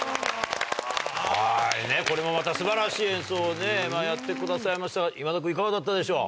これもまた素晴らしい演奏をやってくださいましたが今田君いかがだったでしょう？